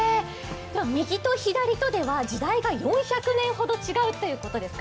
右と左とでは時代が４００年ほど違うということですか。